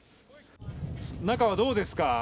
中はどうですか？